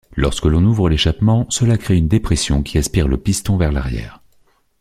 Lorsque l'on ouvre l'échappement, cela crée une dépression qui aspire le piston vers l'arrière.